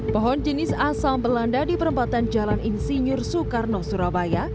pohon jenis asal belanda di perempatan jalan insinyur soekarno surabaya